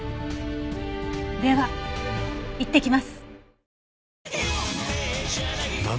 では行ってきます。